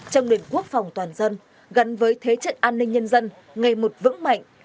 trong nền quốc phòng toàn dân gắn với thế trận an ninh nhân dân ngày một vững mạnh